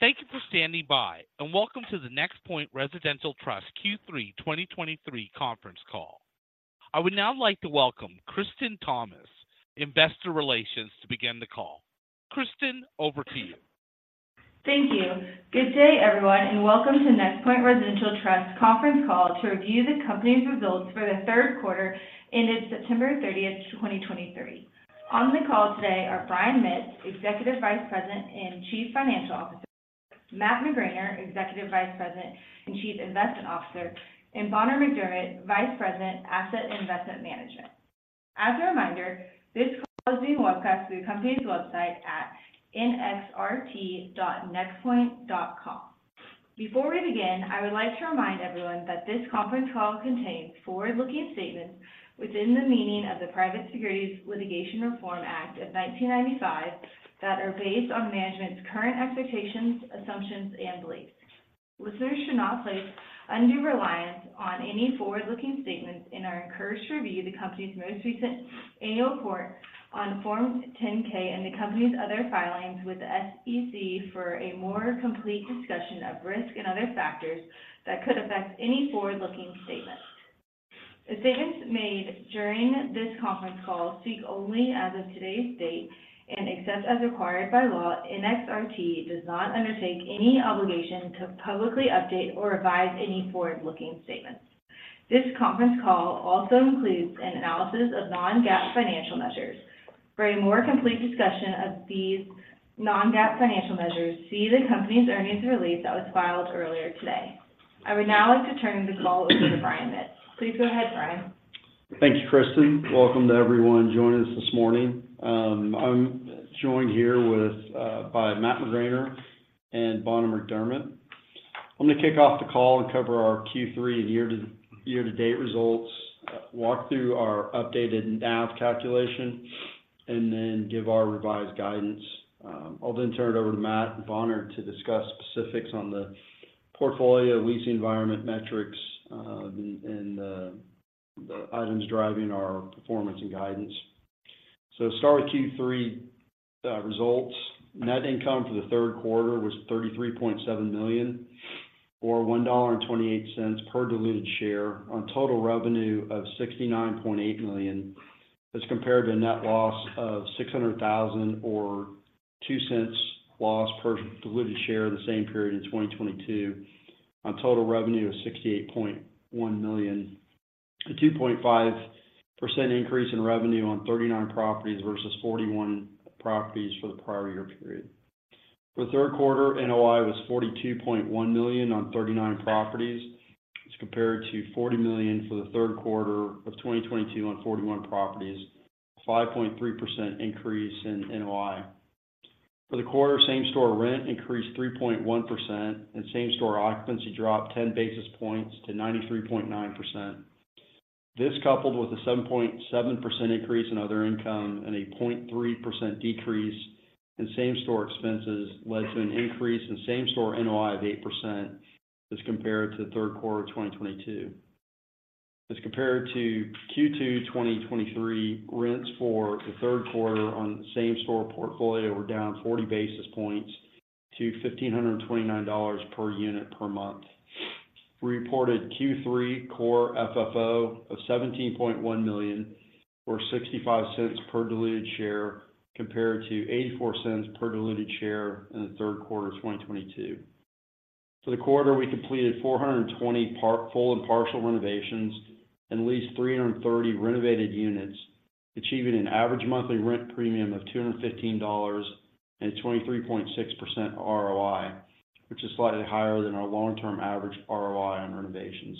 Thank you for standing by, and welcome to the NexPoint Residential Trust Q3 2023 conference call. I would now like to welcome Kristen Thomas, Investor Relations, to begin the call. Kristen, over to you. Thank you. Good day, everyone, and welcome to NexPoint Residential Trust conference call to review the company's results for the third quarter ended September 30, 2023. On the call today are Brian Mitts, Executive Vice President and Chief Financial Officer; Matt McGraner, Executive Vice President and Chief Investment Officer; and Bonner McDermett, Vice President, Asset Investment Management. As a reminder, this call is being webcast through the company's website at nxrt.nexpoint.com. Before we begin, I would like to remind everyone that this conference call contains forward-looking statements within the meaning of the Private Securities Litigation Reform Act of 1995, that are based on management's current expectations, assumptions, and beliefs. Listeners should not place undue reliance on any forward-looking statements and are encouraged to review the company's most recent annual report on Form 10-K and the company's other filings with the SEC for a more complete discussion of risk and other factors that could affect any forward-looking statement. The statements made during this conference call speak only as of today's date, and except as required by law, NXRT does not undertake any obligation to publicly update or revise any forward-looking statements. This conference call also includes an analysis of non-GAAP financial measures. For a more complete discussion of these non-GAAP financial measures, see the company's earnings release that was filed earlier today. I would now like to turn the call over to Brian Mitts. Please go ahead, Brian. Thanks, Kristen. Welcome to everyone joining us this morning. I'm joined here with by Matt McGraner and Bonner McDermett. I'm going to kick off the call and cover our Q3 and year-to-date results, walk through our updated NAV calculation, and then give our revised guidance. I'll then turn it over to Matt and Bonner to discuss specifics on the portfolio, leasing environment metrics, and, and, the items driving our performance and guidance. So start with Q3, results. Net income for the third quarter was $33.7 million, or $1.28 per diluted share on total revenue of $69.8 million. As compared to a net loss of $600,000 or $0.02 loss per diluted share in the same period in 2022, on total revenue of $68.1 million. A 2.5% increase in revenue on 39 properties versus 41 properties for the prior year period. For the third quarter, NOI was $42.1 million on 39 properties, as compared to $40 million for the third quarter of 2022 on 41 properties, a 5.3% increase in NOI. For the quarter, same-store rent increased 3.1%, and same-store occupancy dropped 10 basis points to 93.9%. This, coupled with a 7.7% increase in other income and a 0.3% decrease in same-store expenses, led to an increase in same-store NOI of 8% as compared to the third quarter of 2022. As compared to Q2 2023, rents for the third quarter on the same-store portfolio were down 40 basis points to $1,529 per unit per month. We reported Q3 Core FFO of $17.1 million, or $0.65 per diluted share, compared to $0.84 per diluted share in the third quarter of 2022. For the quarter, we completed 420 full and partial renovations, and leased 330 renovated units, achieving an average monthly rent premium of $215 and a 23.6% ROI, which is slightly higher than our long-term average ROI on renovations.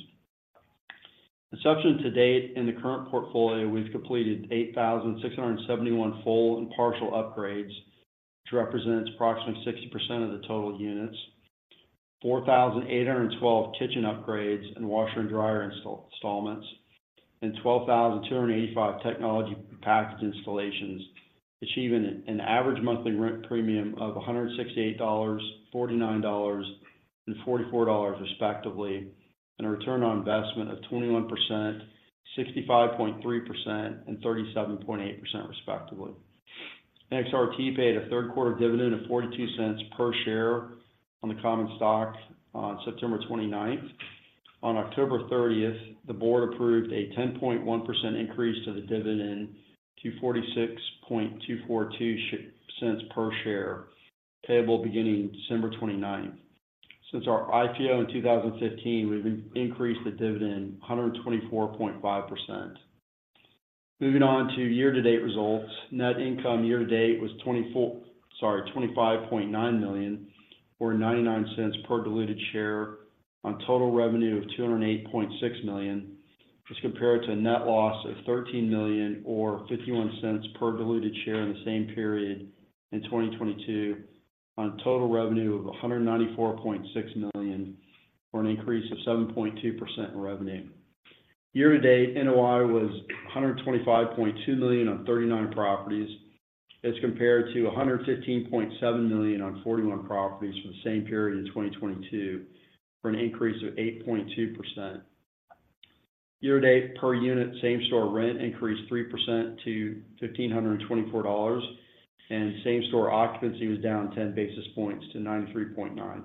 To date, in the current portfolio, we've completed 8,671 full and partial upgrades, which represents approximately 60% of the total units, 4,812 kitchen upgrades and washer and dryer installments, and 12,285 technology package installations, achieving an average monthly rent premium of $168, $49, and $44, respectively, and a return on investment of 21%, 65.3%, and 37.8%, respectively. NXRT paid a third quarter dividend of $0.42 per share on the common stock on September 29. On October 30, the board approved a 10.1% increase to the dividend to $0.46242 per share, payable beginning December 29. Since our IPO in 2015, we've increased the dividend 124.5%. Moving on to year-to-date results. Net income year-to-date was twenty-four... sorry, $25.9 million, or $0.99 per diluted share on total revenue of $208.6 million, as compared to a net loss of $13 million or $0.51 per diluted share in the same period in 2022, on total revenue of $194.6 million, for an increase of 7.2% in revenue. Year-to-date, NOI was $125.2 million on 39 properties, as compared to $115.7 million on 41 properties for the same period in 2022, for an increase of 8.2%.... Year-to-date, per unit same-store rent increased 3% to $1,524, and same-store occupancy was down 10 basis points to 93.9%.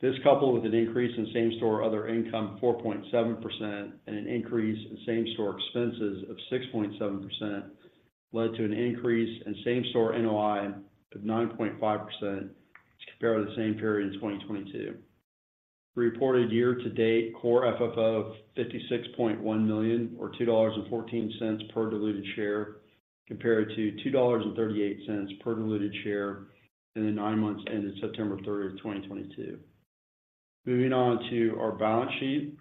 This, coupled with an increase in same-store other income, 4.7%, and an increase in same-store expenses of 6.7%, led to an increase in same-store NOI of 9.5%, compared to the same period in 2022. Reported year-to-date, Core FFO of $56.1 million, or $2.14 per diluted share, compared to $2.38 per diluted share in the nine months ended September 30, 2022. Moving on to our balance sheet.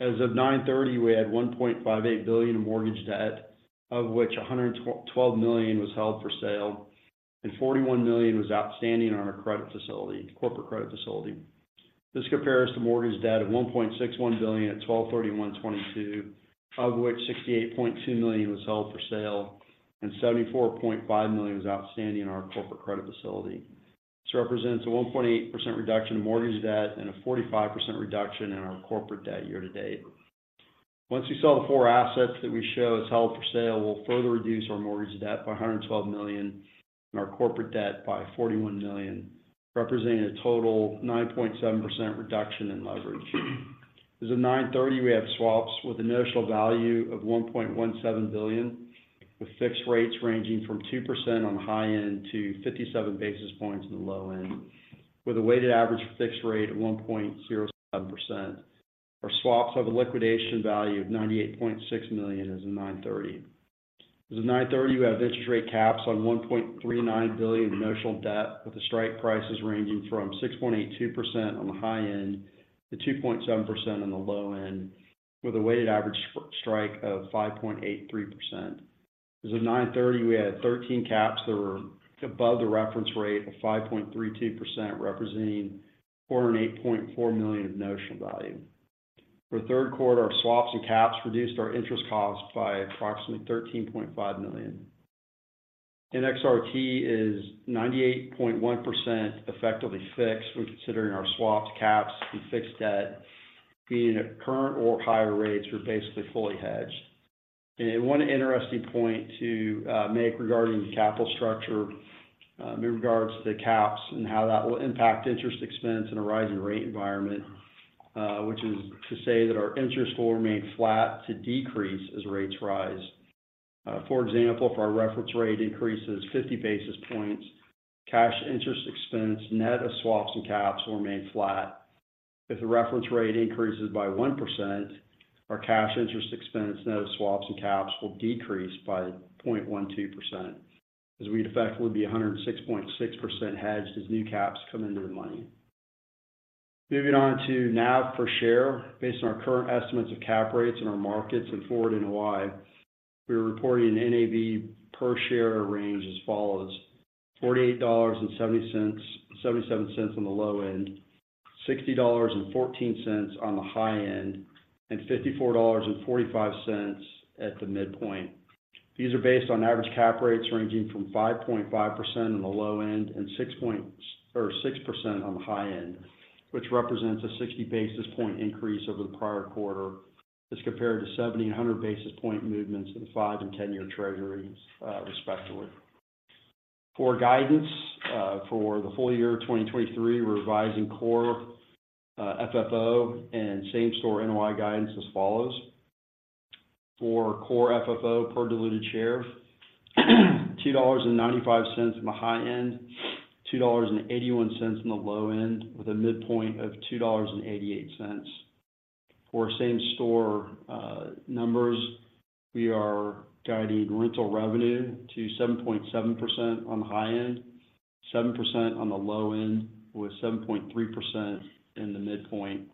As of 9/30/2023, we had $1.58 billion in mortgage debt, of which $112 million was held for sale, and $41 million was outstanding on our credit facility—corporate credit facility. This compares to mortgage debt of $1.61 billion at 12/31/2022, of which $68.2 million was held for sale and $74.5 million was outstanding in our corporate credit facility. This represents a 1.8% reduction in mortgage debt and a 45% reduction in our corporate debt year to date. Once we sell the four assets that we show as held for sale, we'll further reduce our mortgage debt by $112 million and our corporate debt by $41 million, representing a total 9.7% reduction in leverage. As of 9/30, we have swaps with a notional value of $1.17 billion, with fixed rates ranging from 2% on the high end to 57 basis points on the low end, with a weighted average fixed rate of 1.07%. Our swaps have a liquidation value of $98.6 million as of 9/30. As of 9/30, we have interest rate caps on $1.39 billion in notional debt, with the strike prices ranging from 6.82% on the high end to 2.7% on the low end, with a weighted average strike of 5.83%. As of 9/30, we had 13 caps that were above the reference rate of 5.32%, representing $408.4 million of notional value. For the third quarter, our swaps and caps reduced our interest costs by approximately $13.5 million. In NXRT is 98.1% effectively fixed when considering our swaps, caps, and fixed debt. Being at current or higher rates, we're basically fully hedged. One interesting point to make regarding the capital structure, in regards to the caps and how that will impact interest expense in a rising rate environment, which is to say that our interest will remain flat to decrease as rates rise. For example, if our reference rate increases 50 basis points, cash interest expense net of swaps and caps will remain flat. If the reference rate increases by 1%, our cash interest expense net of swaps and caps will decrease by 0.12%, as we'd effectively be 106.6% hedged as new caps come into the money. Moving on to NAV per share. Based on our current estimates of cap rates in our markets and forward NOI, we are reporting an NAV per share range as follows: $48.77 on the low end, $60.14 on the high end, and $54.45 at the midpoint. These are based on average cap rates ranging from 5.5% on the low end and 6 point... or 6% on the high end, which represents a 60 basis point increase over the prior quarter as compared to 70 and a 100 basis point movements in the 5- and 10-year treasuries, respectively. For guidance, for the full year of 2023, we're revising Core FFO and same-store NOI guidance as follows: For Core FFO per diluted share, $2.95 on the high end, $2.81 on the low end, with a midpoint of $2.88. For same-store numbers, we are guiding rental revenue to 7.7% on the high end, 7% on the low end, with 7.3% in the midpoint.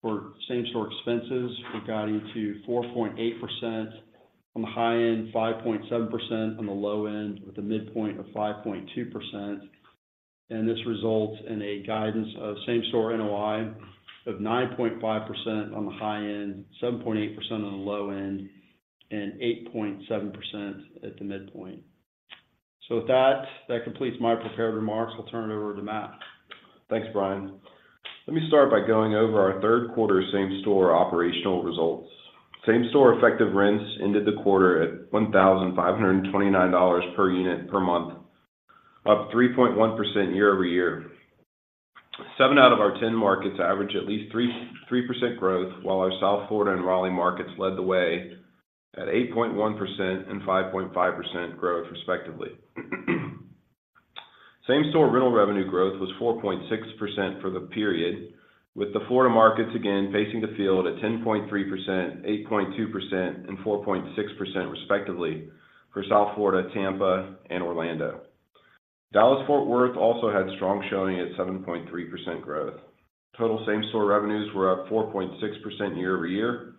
For same-store expenses, we're guiding to 4.8% on the high end, 5.7% on the low end, with a midpoint of 5.2%. This results in a guidance of same-store NOI of 9.5% on the high end, 7.8% on the low end, and 8.7% at the midpoint. With that, that completes my prepared remarks. I'll turn it over to Matt. Thanks, Brian. Let me start by going over our third quarter same-store operational results. Same-store effective rents ended the quarter at $1,529 per unit per month, up 3.1% year-over-year. Seven out of our 10 markets average at least 3% growth, while our South Florida and Raleigh markets led the way at 8.1% and 5.5% growth, respectively. Same-store rental revenue growth was 4.6% for the period, with the Florida markets again pacing the field at 10.3%, 8.2%, and 4.6% respectively for South Florida, Tampa, and Orlando. Dallas-Fort Worth also had strong showing at 7.3% growth. Total same-store revenues were up 4.6% year-over-year,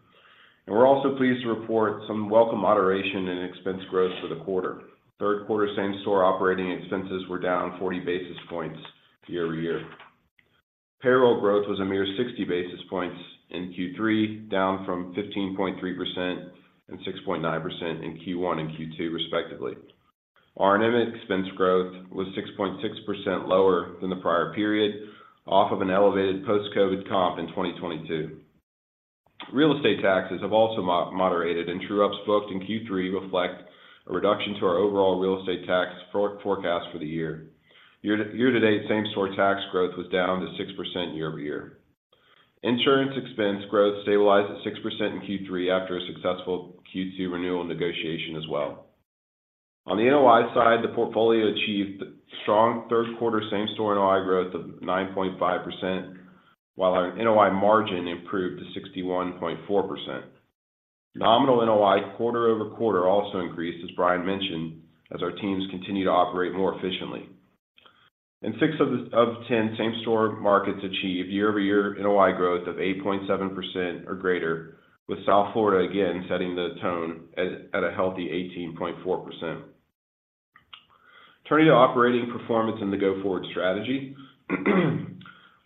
and we're also pleased to report some welcome moderation in expense growth for the quarter. Third quarter same-store operating expenses were down 40 basis points year-over-year. Payroll growth was a mere 60 basis points in Q3, down from 15.3% and 6.9% in Q1 and Q2, respectively. R&M expense growth was 6.6% lower than the prior period, off of an elevated post-COVID comp in 2022. Real estate taxes have also moderated, and true-ups booked in Q3 reflect a reduction to our overall real estate tax forecast for the year. Year-to-date, same-store tax growth was down to 6% year-over-year. Insurance expense growth stabilized at 6% in Q3 after a successful Q2 renewal negotiation as well. On the NOI side, the portfolio achieved strong third quarter same-store NOI growth of 9.5%, while our NOI margin improved to 61.4%. Nominal NOI quarter-over-quarter also increased, as Brian mentioned, as our teams continue to operate more efficiently. In six of the ten same-store markets achieved year-over-year NOI growth of 8.7% or greater, with South Florida again setting the tone at a healthy 18.4%. Turning to operating performance and the go-forward strategy.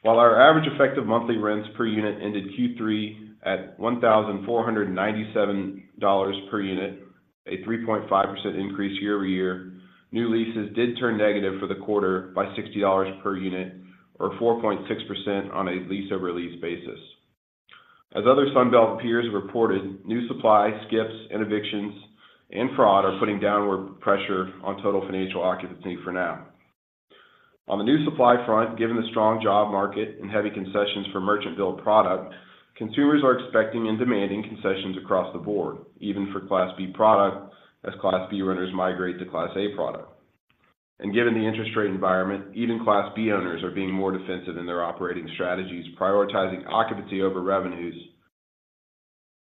While our average effective monthly rents per unit ended Q3 at $1,497 per unit, a 3.5% increase year-over-year, new leases did turn negative for the quarter by $60 per unit, or 4.6% on a lease-over-lease basis. As other Sun Belt peers reported, new supply, skips and evictions and fraud are putting downward pressure on total financial occupancy for now. On the new supply front, given the strong job market and heavy concessions for merchant build product, consumers are expecting and demanding concessions across the board, even for Class B product, as Class B renters migrate to Class A product. Given the interest rate environment, even Class B owners are being more defensive in their operating strategies, prioritizing occupancy over revenues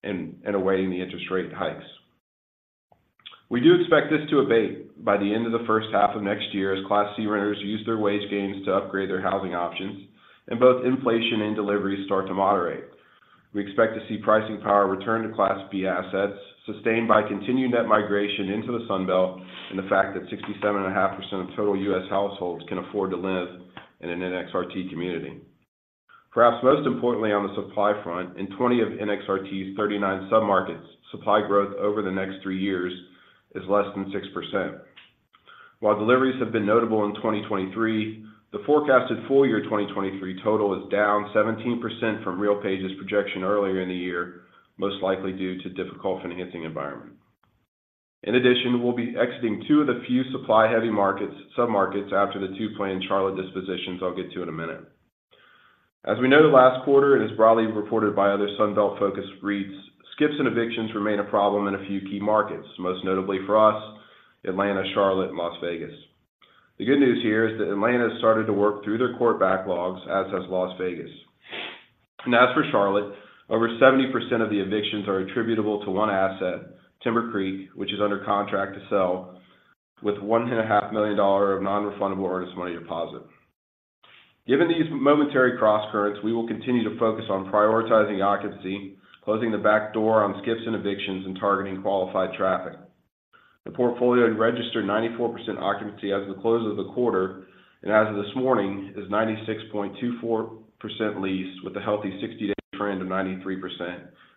and awaiting the interest rate hikes. We do expect this to abate by the end of the first half of next year, as Class C renters use their wage gains to upgrade their housing options, and both inflation and deliveries start to moderate. We expect to see pricing power return to Class B assets, sustained by continued net migration into the Sun Belt, and the fact that 67.5% of total U.S. households can afford to live in an NXRT community. Perhaps most importantly, on the supply front, in 20 of NXRT's 39 submarkets, supply growth over the next three years is less than 6%. While deliveries have been notable in 2023, the forecasted full year 2023 total is down 17% from RealPage's projection earlier in the year, most likely due to difficult financing environment. In addition, we'll be exiting two of the few supply-heavy markets, submarkets after the two planned Charlotte dispositions I'll get to in a minute. As we know, last quarter, and it's broadly reported by other Sun Belt-focused REITs, skips and evictions remain a problem in a few key markets, most notably for us, Atlanta, Charlotte, and Las Vegas. The good news here is that Atlanta has started to work through their court backlogs, as has Las Vegas. As for Charlotte, over 70% of the evictions are attributable to one asset, Timber Creek, which is under contract to sell, with $1.5 million of non-refundable earnest money deposit. Given these momentary crosscurrents, we will continue to focus on prioritizing occupancy, closing the back door on skips and evictions, and targeting qualified traffic. The portfolio had registered 94% occupancy as of the close of the quarter, and as of this morning, is 96.24% leased, with a healthy 60-day trend of 93%,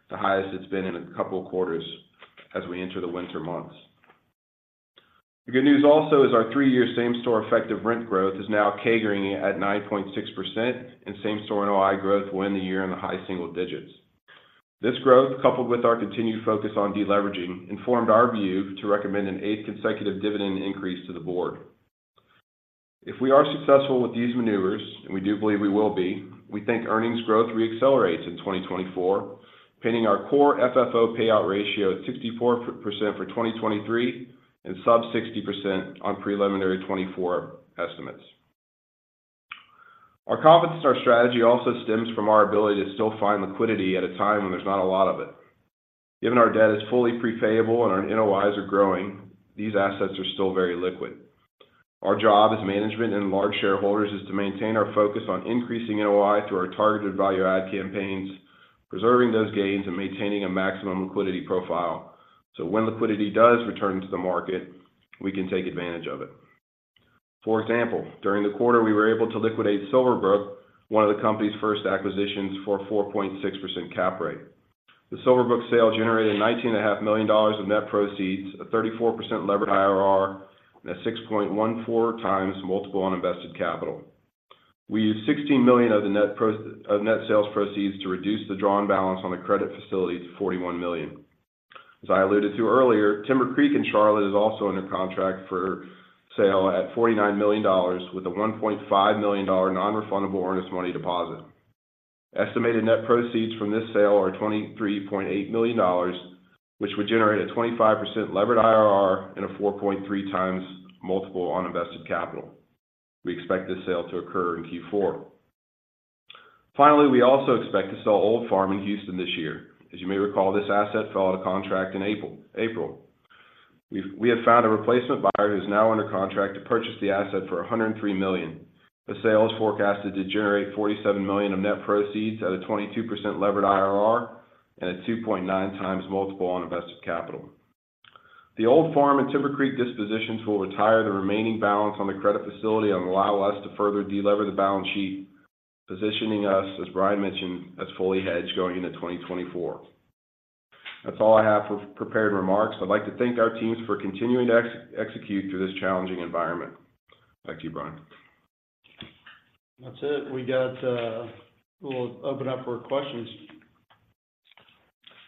the highest it's been in a couple of quarters as we enter the winter months. The good news also is our 3-year same-store effective rent growth is now CAGRing at 9.6%, and same-store NOI growth will end the year in the high single digits. This growth, coupled with our continued focus on deleveraging, informed our view to recommend an eighth consecutive dividend increase to the board. If we are successful with these maneuvers, and we do believe we will be, we think earnings growth re-accelerates in 2024, pinning our core FFO payout ratio at 64% for 2023, and sub 60% on preliminary 2024 estimates. Our confidence in our strategy also stems from our ability to still find liquidity at a time when there's not a lot of it. Given our debt is fully prepayable and our NOIs are growing, these assets are still very liquid. Our job as management and large shareholders is to maintain our focus on increasing NOI through our targeted value add campaigns, preserving those gains, and maintaining a maximum liquidity profile. So when liquidity does return to the market, we can take advantage of it. For example, during the quarter, we were able to liquidate Silverbrook, one of the company's first acquisitions, for a 4.6% cap rate. The Silverbrook sale generated $19.5 million of net proceeds, a 34% levered IRR, and a 6.14x multiple on invested capital. We used $16 million of the net pro... of net sales proceeds to reduce the drawn balance on the credit facility to $41 million. As I alluded to earlier, Timber Creek in Charlotte is also under contract for sale at $49 million, with a $1.5 million non-refundable earnest money deposit. Estimated net proceeds from this sale are $23.8 million, which would generate a 25% levered IRR and a 4.3x multiple on invested capital. We expect this sale to occur in Q4. Finally, we also expect to sell Old Farm in Houston this year. As you may recall, this asset fell out of contract in April. We have found a replacement buyer who's now under contract to purchase the asset for $103 million. The sale is forecasted to generate $47 million of net proceeds at a 22% levered IRR and a 2.9x multiple on invested capital. The Old Farm and Timber Creek dispositions will retire the remaining balance on the credit facility and allow us to further delever the balance sheet, positioning us, as Brian mentioned, as fully hedged going into 2024. That's all I have for prepared remarks. I'd like to thank our teams for continuing to execute through this challenging environment. Thank you, Brian. That's it. We got, we'll open up for questions.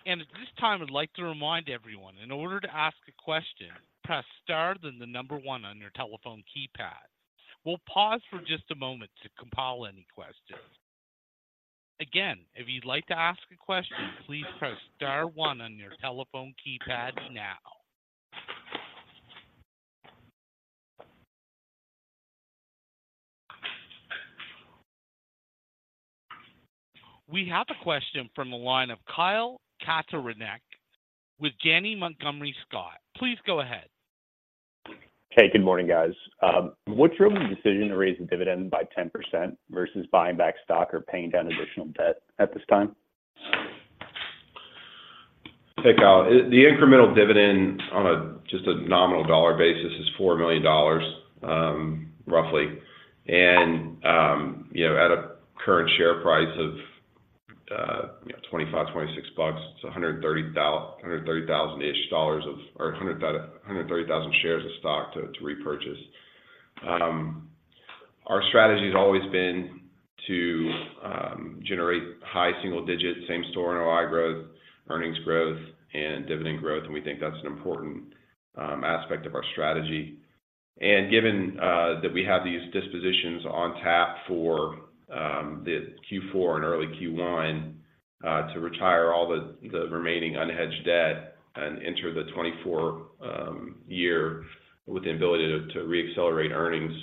At this time, I'd like to remind everyone, in order to ask a question, press star, then the number one on your telephone keypad. We'll pause for just a moment to compile any questions. Again, if you'd like to ask a question, please press star one on your telephone keypad now. We have a question from the line of Kyle Katorincek with Janney Montgomery Scott. Please go ahead. Hey, good morning, guys. What drove the decision to raise the dividend by 10% versus buying back stock or paying down additional debt at this time? Hey, Kyle. The incremental dividend on a just a nominal dollar basis is $4 million, roughly. And, you know, at a current share price of $25-$26 bucks, it's 130,000 ish dollars or 130,000 shares of stock to repurchase. Our strategy has always been to generate high single digits, same-store NOI growth, earnings growth, and dividend growth, and we think that's an important aspect of our strategy. Given that we have these dispositions on tap for the Q4 and early Q1 to retire all the remaining unhedged debt and enter the 2024 year with the ability to reaccelerate earnings,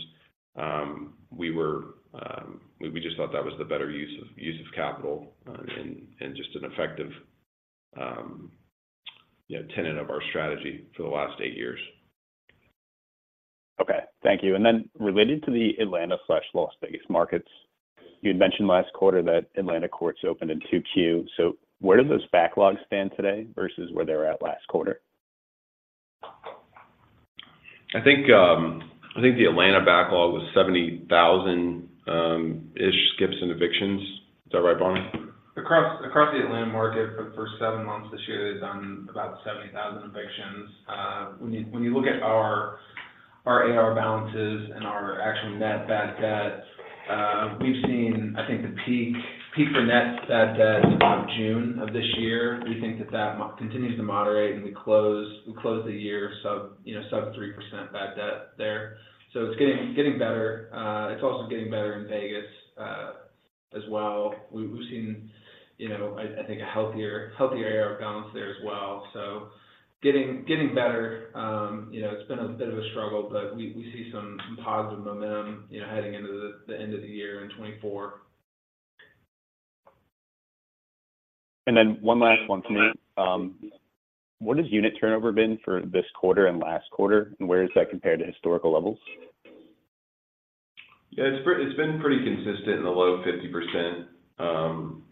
we just thought that was the better use of capital and just an effective, you know, tenet of our strategy for the last eight years. Okay, thank you. Then related to the Atlanta/Las Vegas markets, you had mentioned last quarter that Atlanta courts opened in 2Q. So where do those backlogs stand today versus where they were at last quarter? I think, I think the Atlanta backlog was 70,000 ish skips and evictions. Is that right, Brian? Across the Atlanta market for the first seven months this year, they've done about 70,000 evictions. When you look at our AR balances and our actual net bad debt, we've seen, I think, the peak for net bad debt about June of this year. We think that that continues to moderate, and we close the year sub, you know, sub 3% bad debt there. So it's getting better. It's also getting better in Vegas as well. We've seen, you know, I think, a healthier AR balance there as well. So getting better. You know, it's been a bit of a struggle, but we see some positive momentum, you know, heading into the end of the year in 2024. One last one for me. What has unit turnover been for this quarter and last quarter, and where is that compared to historical levels? Yeah, it's pretty. It's been pretty consistent in the low 50%,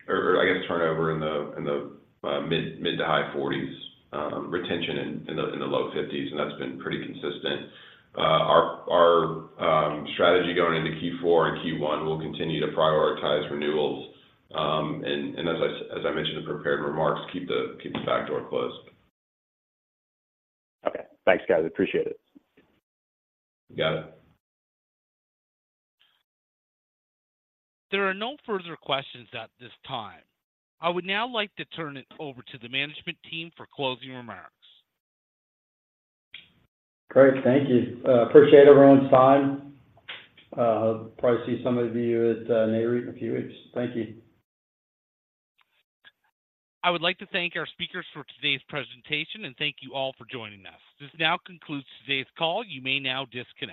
or I guess turnover in the mid- to high-40s, retention in the low 50s, and that's been pretty consistent. Our strategy going into Q4 and Q1 will continue to prioritize renewals, and as I mentioned in prepared remarks, keep the back door closed. Okay. Thanks, guys. I appreciate it. Got it. There are no further questions at this time. I would now like to turn it over to the management team for closing remarks. Great, thank you. Appreciate everyone's time. Probably see some of you at Nareit in a few weeks. Thank you. I would like to thank our speakers for today's presentation, and thank you all for joining us. This now concludes today's call. You may now disconnect.